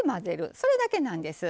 それだけなんです。